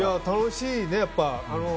楽しいね、やっぱ。